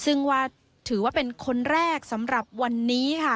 ซึ่งว่าถือว่าเป็นคนแรกสำหรับวันนี้ค่ะ